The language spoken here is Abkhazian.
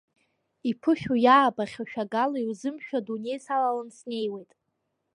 Иԥышәоу, иаабахьоу шәагала иузымшәо адунеи салалан снеиуеит.